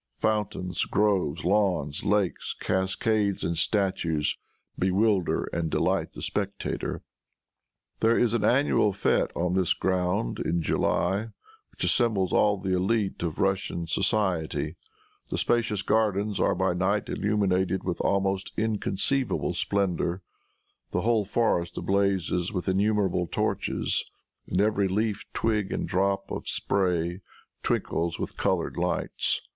Fountains, groves, lawns, lakes, cascades and statues, bewilder and delight the spectator. There is an annual fête on this ground in July, which assembles all the elite of Russian society. The spacious gardens are by night illuminated with almost inconceivable splendor. The whole forest blazes with innumerable torches, and every leaf, twig and drop of spray twinkles with colored lights.